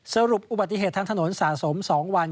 สรุปอุบัติเหตุทางถนนสะสม๒วัน